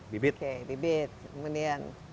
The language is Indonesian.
bibit oke bibit kemudian